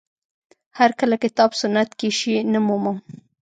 هر کله کتاب سنت کې شی نه مومم